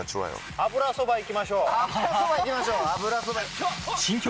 油そば行きましょう！